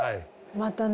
またね